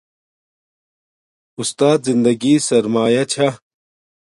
اُستات زندگی سرمایہ چھا